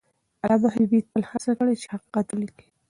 علامه حبیبي تل هڅه کړې چې حقیقت ولیکي.